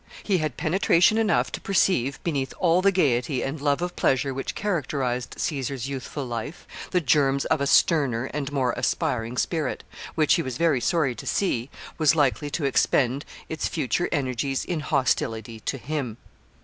He had penetration enough to perceive, beneath all the gayety and love of pleasure which characterized Caesar's youthful life, the germs of a sterner and more aspiring spirit, which, he was very sorry to see, was likely to expend its future energies in hostility to him.